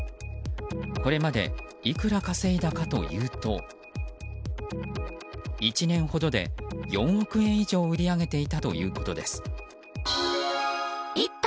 これまでいくら稼いだかというと１年ほどで４億円以上売り上げていたということです。